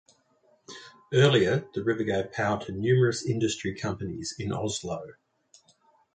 Earlier, the river gave power to numerous industry companies in Oslo.